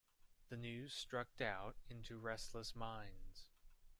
The news struck doubt into restless minds.